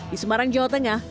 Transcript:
di semarang jawa tengah